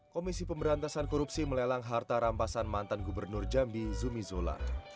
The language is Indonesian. komisi pemberantasan korupsi melelang harta rampasan mantan gubernur jambi zumi zola